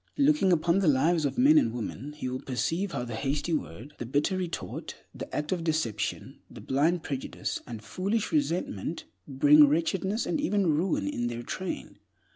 Looking upon the lives of men and women, he will perceive how the hasty word, the bitter retort, the act of deception, the blind prejudice and foolish resentment bring wretchedness and even ruin in their train.